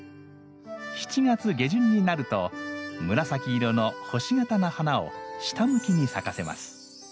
７月下旬になると紫色の星形の花を下向きに咲かせます。